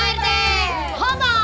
hidup pak rt